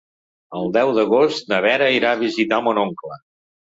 El deu d'agost na Vera irà a visitar mon oncle.